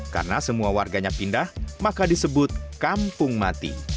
karena semua warganya pindah maka disebut kampung mati